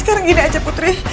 sekarang gini aja putri